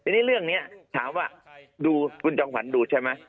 ในเรื่องนี้ถามว่าดูคุณจองฝันดูใช่ไหม